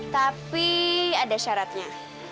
tapi ada syaratnya